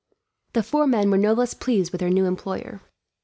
The four men were no less pleased with their new employer.